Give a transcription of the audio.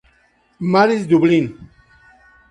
Mary's, Dublin.